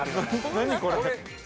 ◆何これ。